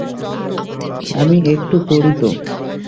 আমি একটু করি তো।